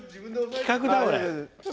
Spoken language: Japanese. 企画倒れ。